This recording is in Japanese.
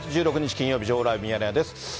金曜日、情報ライブミヤネ屋です。